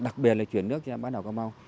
đặc biệt là chuyển nước trên bán đảo cà mau